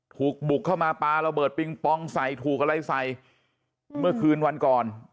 ถูกบุกเข้ามาปลาระเบิดปิงปองใส่ถูกอะไรใส่เมื่อคืนวันก่อน